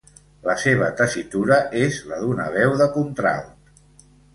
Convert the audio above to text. La seva tessitura és la d'una veu de contralt.